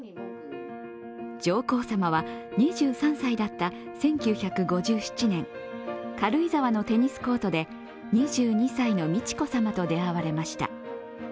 上皇さまは２３歳だった１９５７年、軽井沢のテニスコートで２２歳の美智子さまと出会われました。